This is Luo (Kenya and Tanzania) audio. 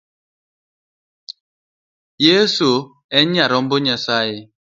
Yeso en nyarombo Nyasaye.